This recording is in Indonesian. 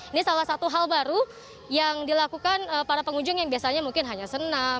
ini salah satu hal baru yang dilakukan para pengunjung yang biasanya mungkin hanya senam